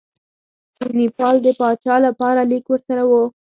د نیپال د پاچا لپاره لیک ورسره وو.